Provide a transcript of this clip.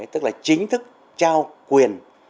tức là chính thức trao quyền